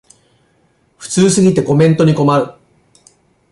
普通すぎてコメントに困る